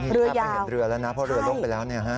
เรือยาวเห็นเรือแล้วนะเพราะเรือล่มไปแล้วนี่ค่ะ